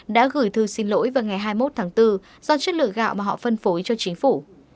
đã gửi thư xin lỗi vào ngày hai mươi một tháng bốn do chất lượng gạo mà họ phân phối cho chính phủ